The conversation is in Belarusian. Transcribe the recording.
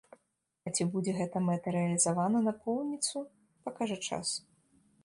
А ці будзе гэтая мэта рэалізавана напоўніцу, пакажа час.